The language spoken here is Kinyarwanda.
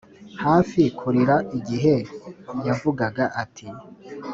hafi kurira igihe yavugaga ati,